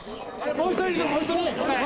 もう１人いる。